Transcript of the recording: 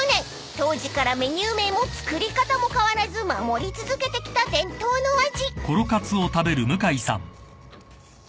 ［当時からメニュー名も作り方も変わらず守り続けてきた伝統の味］